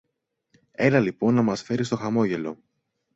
Έλα λοιπόν να μας φέρεις το χαμόγελο!